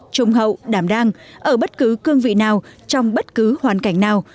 trung hậu đảm đang ở bất cứ cương vị nào trong bất cứ hoàn cảnh nào